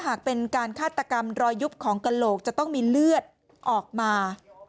หากเป็นการฆาตกรรมรอยยุบของกระโหลกจะต้องมีเลือดออกมา